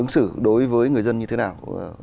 sự đối với người dân như thế nào